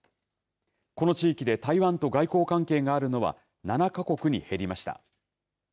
この地域で台湾と外交関係があるのは７か国に減りました。